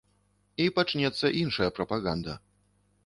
І пачнецца іншая прапаганда.